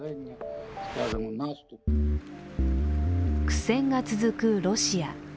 苦戦が続くロシア。